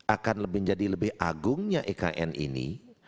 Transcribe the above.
akan menjadi lebih agungnya ikn ini